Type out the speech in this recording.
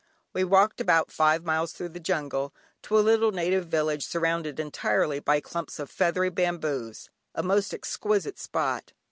We walked about five miles thro' the jungle, to a little native village surrounded entirely by clumps of feathery bamboos, a most exquisite spot.